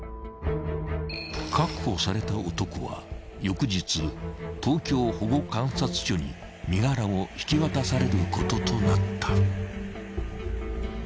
［確保された男は翌日東京保護観察所に身柄を引き渡されることとなった］